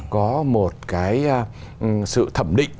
có một cái sự thẩm định